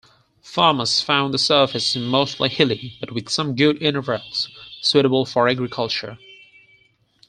Farmers found the surface mostly hilly, but with some good intervales suitable for agriculture.